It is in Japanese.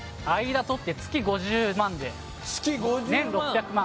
間とって月５０万